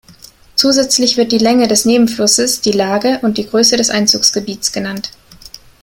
Zusätzlich wird die Länge des Nebenflusses, die Lage und die Größe des Einzugsgebiets genannt.